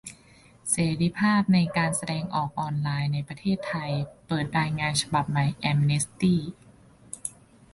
เสรีภาพในการแสดงออกออนไลน์ในประเทศไทย เปิดรายงานฉบับใหม่แอมเนสตี้